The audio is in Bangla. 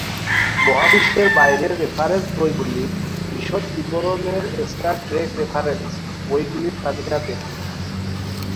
মহাবিশ্বের বাইরের রেফারেন্স বইগুলির বিশদ বিবরণের স্টার ট্রেক রেফারেন্স বইগুলির তালিকা দেখুন।